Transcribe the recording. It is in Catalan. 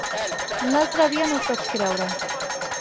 L'altre dia no et vaig creure.